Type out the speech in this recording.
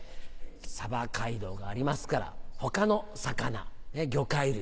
鯖街道がありますから他の魚魚介類。